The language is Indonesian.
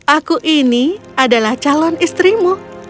aku ini adalah calon istrimu